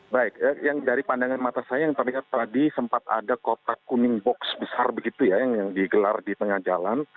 baik yang dari pandangan mata saya yang terlihat tadi sempat ada kotak kuning box besar begitu ya yang digelar di tengah jalan